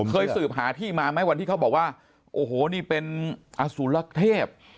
เคยสืบหาที่มาไหมวันที่เขาบอกว่าโอ้โหนี่เป็นอสุรเทพ